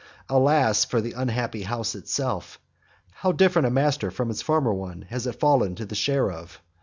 Alas for the unhappy house itself! how different a master from its former one has it fallen to the share of!